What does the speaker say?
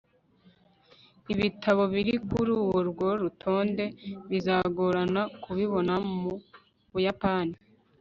ibitabo biri kuri urwo rutonde bizagorana kubibona mu buyapani